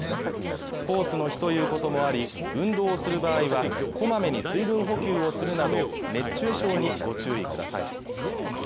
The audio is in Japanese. スポーツの日ということもあり運動をする場合はこまめに水分補給をするなど熱中症にご注意ください